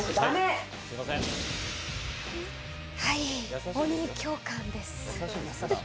はい、鬼教官です。